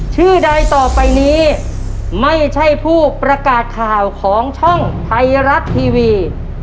ใดต่อไปนี้ไม่ใช่ผู้ประกาศข่าวของช่องไทยรัฐทีวี